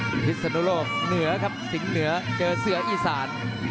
พิพธิ์สนุโลกสิงห์เหนือเกอเสื้ออีสาน